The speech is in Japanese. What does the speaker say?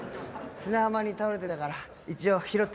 砂浜に倒れてたから一応拾ってきた。